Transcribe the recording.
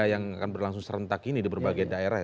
yang akan berlangsung serentak ini di berbagai daerah